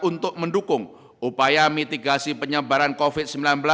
untuk mendukung upaya mitigasi penyebaran covid sembilan belas